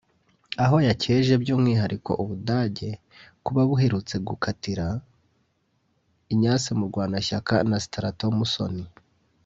aho yacyeje by’umwihariko u Budage kuba buherutse gukatira Ignace Murwanashyaka na Straton Musoni